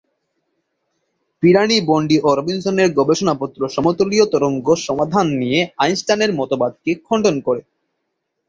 পিরানি, Bondi ও রবিনসনের গবেষণাপত্র সমতলীয় তরঙ্গ সমাধান নিয়ে আইনস্টাইনের মতবাদকে খণ্ডন করে।